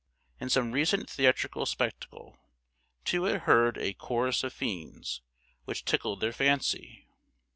In some recent theatrical spectacle, two had heard a "chorus of fiends," which tickled their fancy.